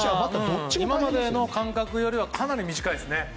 今までの間隔よりはかなり短いですね。